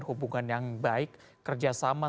hubungan yang baik kerjasama